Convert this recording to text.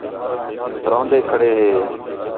روندے کھڑے ہے